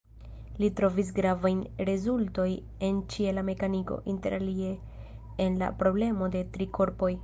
Li trovis gravajn rezultoj en ĉiela mekaniko, interalie en la problemo de tri korpoj.